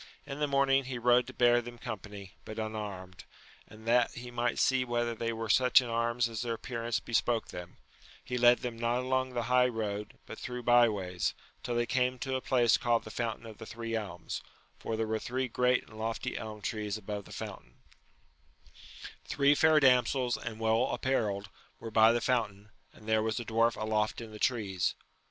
In the morning he rode to bear them com pany, but unarmed ; and, that he might see whether they were such in arms as their appearance be spoke them, he led them not along the high road, but through bye ways, till they came to a place called the fountain of the Three Elms, for there were three great and lofty elm trees above the fountaiiL Three fair damsels and well apparelled, were by the fountain^ and there was a dwarf aloft in the trees.